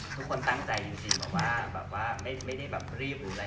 ทุกคนตั้งใจจริงไม่ได้รีบหรืออะไร